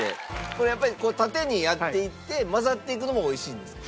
これやっぱり縦にやっていって混ざっていくのも美味しいんですか？